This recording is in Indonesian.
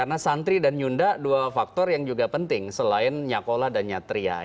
menteri dan nyunda dua faktor yang juga penting selain nyakola dan nyatria